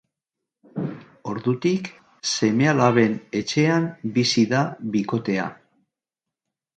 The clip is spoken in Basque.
Ordutik, seme-alaben etxean bizi da bikotea.